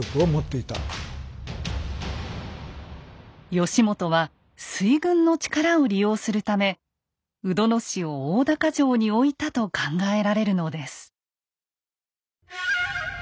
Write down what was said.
義元は水軍の力を利用するため鵜殿氏を大高城に置いたと考えられるのです。